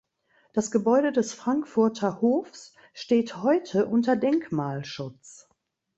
Das Gebäude des Frankfurter Hofs steht heute unter Denkmalschutz.